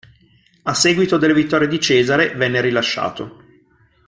A seguito delle vittorie di Cesare, venne rilasciato.